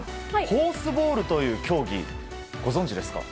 ホースボールという競技ご存じですか？